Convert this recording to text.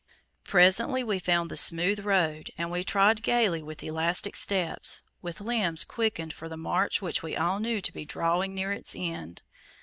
Presently we found the smooth road, and we trod gaily with elastic steps, with limbs quickened for the march which we all knew to be drawing near its end.